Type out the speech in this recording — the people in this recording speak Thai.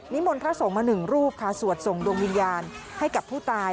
มนต์พระสงฆ์มาหนึ่งรูปค่ะสวดส่งดวงวิญญาณให้กับผู้ตาย